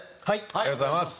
ありがとうございます。